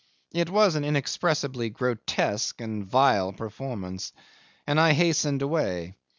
It was an inexpressibly grotesque and vile performance, and I hastened away.